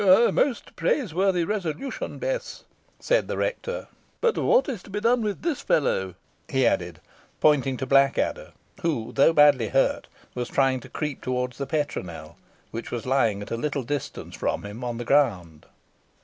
"A most praiseworthy resolution, Bess," said the rector; "but what is to be done with this fellow?" he added, pointing to Blackadder, who, though badly hurt, was trying to creep towards the petronel, which was lying at a little distance from him on the ground.